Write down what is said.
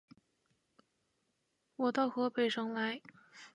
我到河北省来